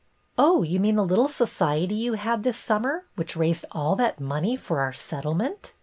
" Oh, you mean the little society you had this summer, which raised all that money for our Settlement?